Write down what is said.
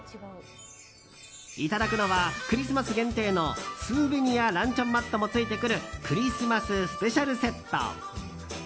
いただくのはクリスマス限定のスーベニアランチョンマットもついてくるクリスマス・スペシャルセット。